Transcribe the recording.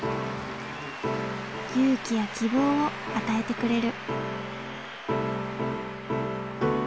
勇気や希望を与えてくれる。